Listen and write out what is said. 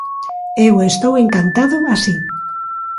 Eu estou encantado así.